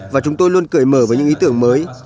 và chúng tôi luôn cởi mở với những ý tưởng mới